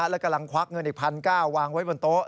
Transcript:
และกำลังควักเงินอีก๑๙๐๐วางไว้บนโต๊ะ